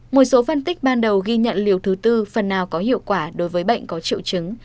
một số phân tích ban đầu ghi nhận liều thứ tư phần nào có hiệu quả đối với bệnh có triệu chứng